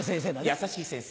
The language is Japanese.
優しい先生。